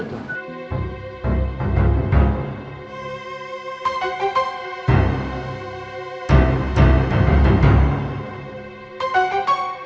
ya allah opi